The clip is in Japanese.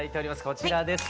こちらです。